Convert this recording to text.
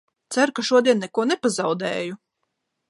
Ceru, ka šodien neko nepazaudēju!